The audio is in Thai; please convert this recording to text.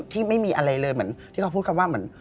ไม่มีอะไรเลยเหมือนที่เขาพูดคำว่าเหมือน